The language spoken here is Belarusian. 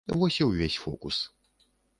Вось і ўвесь фокус.